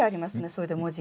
それで文字が。